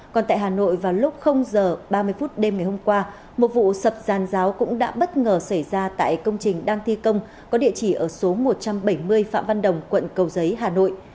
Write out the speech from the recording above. còn tại hà nội vào lúc h ba mươi phút đêm ngày hôm qua một vụ sập giàn giáo cũng đã bất ngờ xảy ra tại công trình đang thi công có địa chỉ ở số một trăm bảy mươi phạm văn đồng quận cầu giấy hà nội